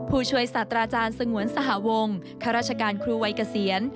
ผู้ช่วยศาสตราจารย์สงวนสหวงข้าราชการครูวัยเกษียณ